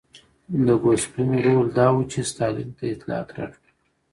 د ګوسپلین رول دا و چې ستالین ته اطلاعات راټول کړي